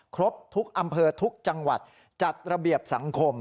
ครบทุกอำเภอทุกจังหวัดจัดระเบียบสังคม